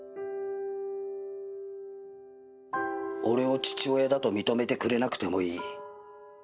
「俺を父親だと認めてくれなくてもいい」